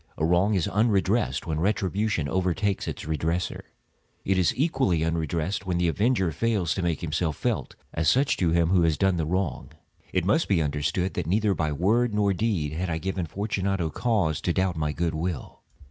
A wrong is unredressed when retribution overtakes its redresser. It is equally unredressed when the avenger fails to make himself felt as such to him who has done the wrong. It must be understood, that neither by word nor deed had I given Fortunato cause to doubt my good will.